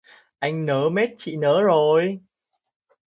Anh nớ mết chị nớ rồi